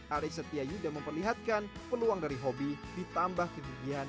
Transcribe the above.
ari setia yuda memperlihatkan peluang dari hobi ditambah kegigihan